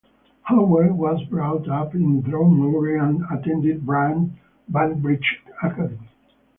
Howe was brought up in Dromore and attended Banbridge Academy.